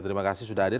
terima kasih sudah hadir